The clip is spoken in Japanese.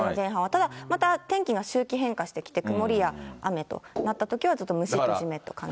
ただ、また天気が周期変化してきて、曇りや雨となったときはちょっとむしっと湿った感じが。